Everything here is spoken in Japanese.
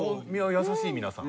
優しい皆さん。